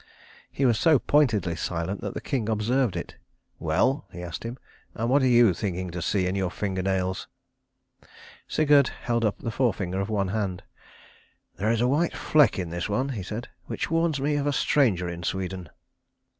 He was so pointedly silent that the king observed it. "Well," he asked him, "and what are you thinking to see in your finger nails?" Sigurd held up the forefinger of one hand. "There is a white fleck in this one," he said, "which warns me of a stranger in Sweden."